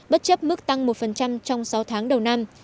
bất chấp mức tăng một trong sáu tháng đầu năm